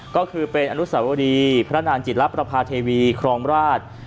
ก็คือเป็นอนุสาวรีพระนางจิตรับประพาเทวีครองราช